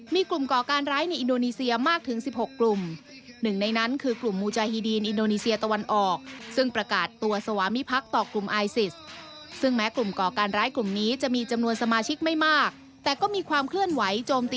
มีกลุ่มก่อการร้ายในอินโดนีเซียมากถึง๑๖กลุ่ม